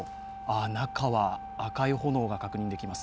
中は赤い炎が確認できます。